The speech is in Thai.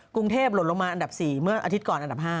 กรุงเทพหล่นลงมาอันดับ๔เมื่ออาทิตย์ก่อนอันดับ๕